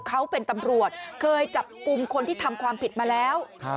เขาเป็นตำรวจเคยจับกลุ่มคนที่ทำความผิดมาแล้ว